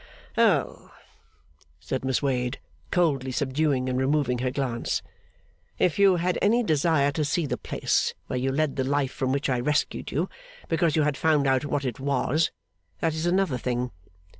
'Oh!' said Miss Wade, coldly subduing and removing her glance; 'if you had any desire to see the place where you led the life from which I rescued you because you had found out what it was, that is another thing.